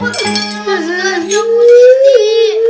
bersengaja bu tid